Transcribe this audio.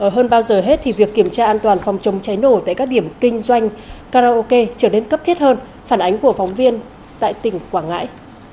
hơn bao giờ hết thì việc kiểm tra an toàn phòng chống cháy nổ tại các điểm kinh doanh karaoke trở nên cấp thiết hơn phản ánh của phóng viên tại tỉnh quảng ngãi